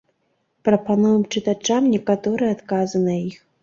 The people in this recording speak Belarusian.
Прапануем чытачам некаторыя адказы на іх.